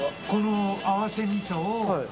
この合わせ味噌を。